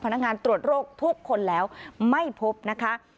พนักงานตรวจโรคทุกคนแล้วไม่พบนะคะ